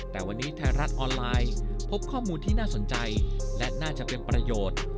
แต่วันนี้ไทยรัฐออนไลน์พบข้อมูลที่น่าสนใจและน่าจะเป็นประโยชน์